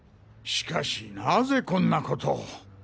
しかしなぜこんなことを。